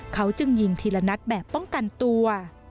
เขาจึงยิงทีละนัดแบบป้องกันตัว